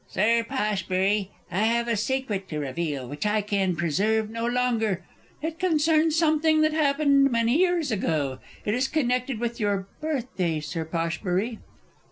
_ Sir Poshbury, I have a secret to reveal which I can preserve no longer it concerns something that happened many years ago it is connected with your birthday, Sir Poshbury.